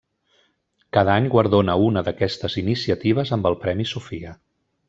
Cada any guardona una d'aquestes iniciatives amb el Premi Sofia.